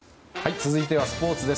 続いてはスポーツです。